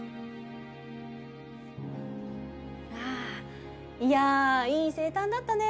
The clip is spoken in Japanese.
あぁいやぁいい生誕だったね